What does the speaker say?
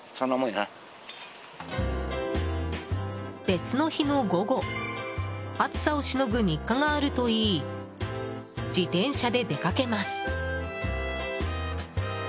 別の日の午後暑さをしのぐ日課があるといい自転車で出かけます。